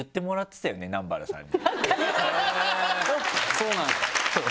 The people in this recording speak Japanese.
そうなんですか。